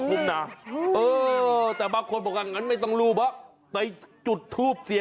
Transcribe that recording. อุทานเป็นภาษาอังกฤษเลยเสีย